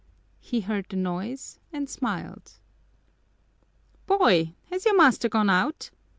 He heard the noise and smiled. "Boy, has your master gone out?"